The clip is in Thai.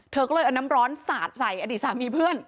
เธอก็เลยเอาน้ำร้อนสาดใส่อดีตสามีเพื่อน